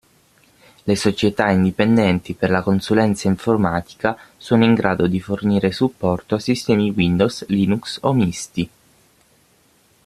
Le società indipendenti per la consulenza informatica sono in grado di fornire supporto a sistemi Windows, Linux o misti.